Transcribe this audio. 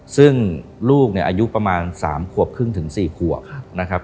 ซึ่งลูกเนี่ยอายุประมาณ๓ขวบครึ่งถึง๔ขวบนะครับ